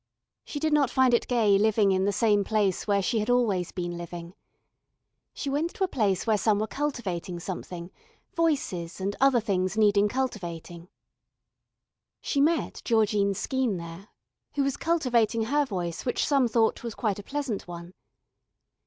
She did not find it gay living in the same place where she had always been living. She went to a place where some were cultivating something, voices and other things needing cultivating. She met Georgine Skeene there who was cultivating her voice which some thought was quite a pleasant one.